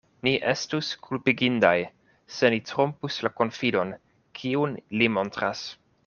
Ni estus kulpigindaj, se ni trompus la konfidon, kiun li montras.